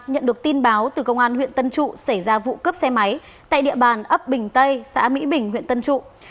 nhận được tin báo từ công an huyện tân trụ xảy ra vụ cướp xe máy tại địa bàn ấp bình tây xã mỹ bình huyện tân trụ